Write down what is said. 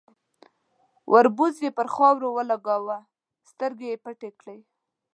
، وربوز يې پر خاورو ولګاوه، سترګې يې پټې کړې.